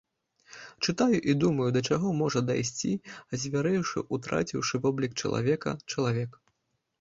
Чытаю і думаю, да чаго можа дайсці, азвярэўшы, утраціўшы воблік чалавека, чалавек.